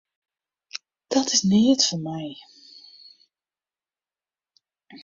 Dat is neat foar my.